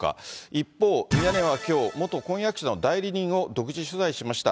一方、ミヤネ屋はきょう、元婚約者の代理人を独自取材しました。